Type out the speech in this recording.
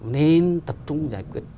nên tập trung giải quyết